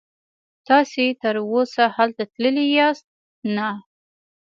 تاسې تراوسه هلته تللي یاست؟ نه.